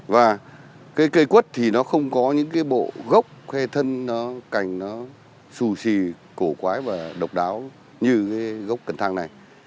và cây quất thì nó không có những bộ gốc khe thân cành nó xù xì cổ quái và độc đáo như gốc cần thăng này